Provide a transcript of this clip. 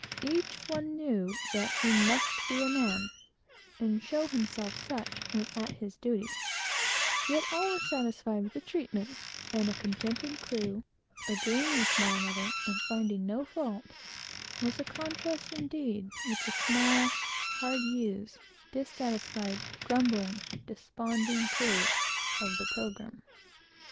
Each one knew that he must be a man, and show himself smart when at his duty, yet every one was satisfied with the usage; and a contented crew, agreeing with one another, and finding no fault, was a contrast indeed with the small, hard used, dissatisfied, grumbling, desponding crew of the Pilgrim.